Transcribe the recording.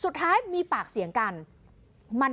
สุดทนแล้วกับเพื่อนบ้านรายนี้ที่อยู่ข้างกัน